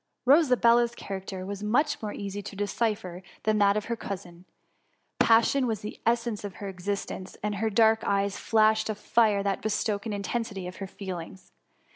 Rosabella^s character was much more easy to decipher than that of her cousin. Passion was d5 88 T8K XUMMT* the essence of her existence ; and her dark eyes flashed a fire that bespoke the intensity of her feelings.